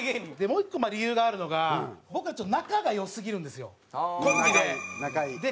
もう１個理由があるのが僕らちょっと仲が良すぎるんですよコンビで。